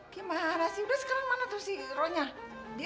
gimana sih udah sekarang mana tuh si ronya